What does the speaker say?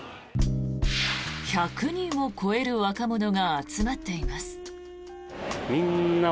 １００人を超える若者が集まっています。